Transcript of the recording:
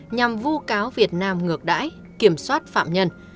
nhằm vu cáo việt nam ngược đãi kiểm soát phạm nhân